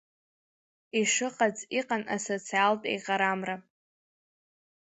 Ишыҟац иҟан асоциалтә еиҟарамра.